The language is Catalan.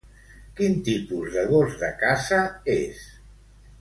Quin tipus de gos de caça és?